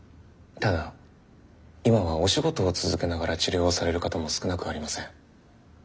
ただ今はお仕事を続けながら治療をされる方も少なくありません。